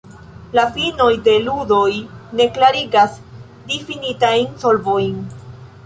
La finoj de ludoj ne klarigas difinitajn solvojn.